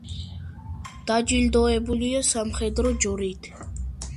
დაჯილდოებულია სამხედრო ჯვრით.